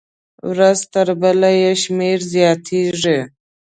ورځ تر بلې یې شمېر زیاتېږي.